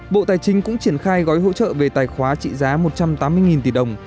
bộ tài chính cũng triển khai gói hỗ trợ về tài khoá trị giá một trăm tám mươi tỷ đồng